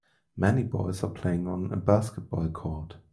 Many boys are playing on a basketball court